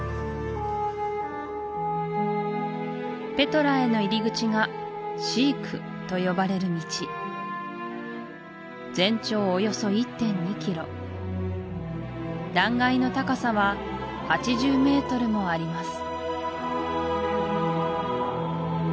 ペトラへの入り口がシークと呼ばれる道全長およそ１．２キロ断崖の高さは８０メートルもあります